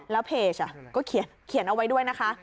แล้วเพจก็เขียนเอาไว้ด้วยนะคะ